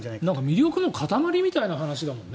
魅力の塊みたいな話だもんね。